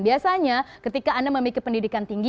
biasanya ketika anda memiliki pendidikan tinggi